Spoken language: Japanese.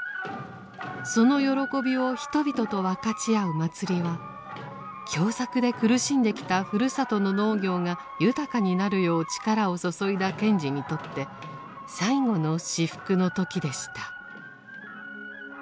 その喜びを人々と分かち合う祭りは凶作で苦しんできたふるさとの農業が豊かになるよう力を注いだ賢治にとって最後の至福の時でした。